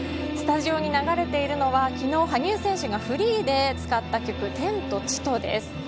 スタジオに流れているのは昨日、羽生選手がフリーで使った曲「天と地と」です。